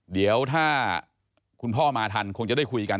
เดี๋ยวถ้าคุณพ่อมาทันคงจะได้คุยกัน